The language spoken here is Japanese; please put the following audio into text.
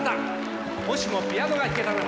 「もしもピアノが弾けたなら」。